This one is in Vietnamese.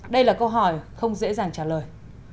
đây là câu hỏi không dễ dàng trả lời